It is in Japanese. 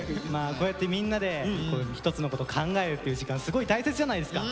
こうやってみんなで一つのこと考えるっていう時間すごい大切じゃないですか。